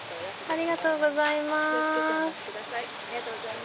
ありがとうございます。